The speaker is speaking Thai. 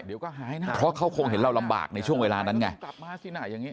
เพราะเขาคงเห็นเรารำบากในช่วงเวลานั้นไง